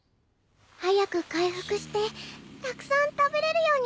早く回復してたくさん食べれるようになるといいですね。